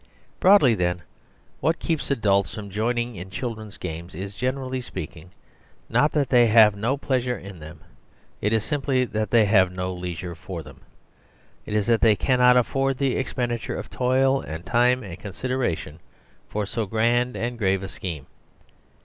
..... Broadly, then, what keeps adults from joining in children's games is, generally speaking, not that they have no pleasure in them; it is simply that they have no leisure for them. It is that they cannot afford the expenditure of toil and time and consideration for so grand and grave a scheme.